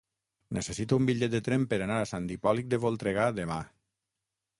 Necessito un bitllet de tren per anar a Sant Hipòlit de Voltregà demà.